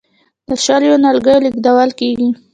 د شالیو نیالګي لیږدول کیږي.